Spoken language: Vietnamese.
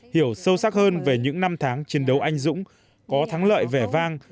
hiểu sâu sắc hơn về những năm tháng chiến đấu anh dũng có thắng lợi vẻ vang